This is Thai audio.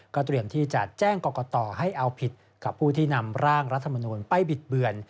เตรียมที่จะแจ้งกรกตให้เอาผิดกับผู้ที่นำร่างรัฐมนูลไปบิดเบือน